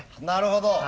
なるほど。